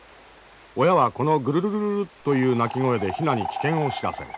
親はこのグルルルルルッという鳴き声でヒナに危険を知らせる。